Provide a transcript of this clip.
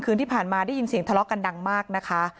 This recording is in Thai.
คืนที่ผ่านมาได้ยินเสียงทะเลาะกันดังมากนะคะ